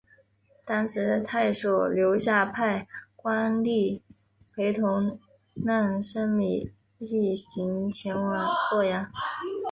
当时太守刘夏派官吏陪同难升米一行前往洛阳。